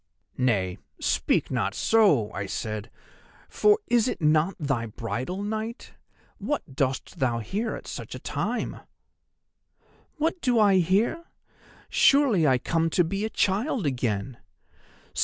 "'Nay, speak not so,' I said, 'for is it not thy bridal night? What dost thou here at such a time?' "'What do I here? Surely I come to be a child again!